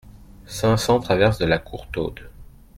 cent cinq traverse de la Courtaude